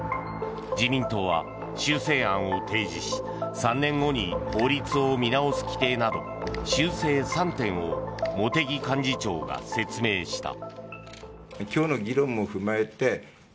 自民党は修正案を提示し３年後に法律を見直す規定など修正３点を茂木幹事長が説明した。